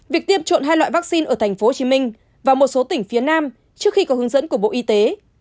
việc tiêm chọn hai loại vaccine ở tp hcm và một số tỉnh phía nam trước khi có hướng dẫn của bộ y tế